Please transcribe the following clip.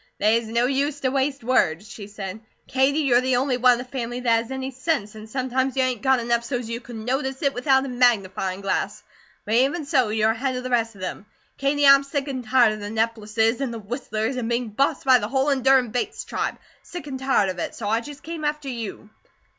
"They's no use to waste words," she said. "Katie, you're the only one in the family that has any sense, and sometimes you ain't got enough so's you could notice it without a magnifyin' glass; but even so, you're ahead of the rest of them. Katie, I'm sick an' tired of the Neppleses and the Whistlers and being bossed by the whole endurin' Bates tribe; sick and tired of it, so I just came after you."